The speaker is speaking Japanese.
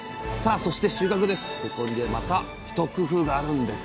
そして収穫です。